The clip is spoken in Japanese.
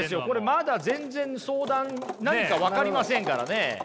まだ全然相談何か分かりませんからね。